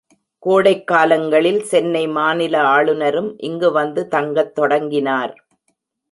கோடைக்காலங்களில், சென்னை மாநில ஆளுநரும் இங்கு வந்து தங்கத் தொடங்கினார்.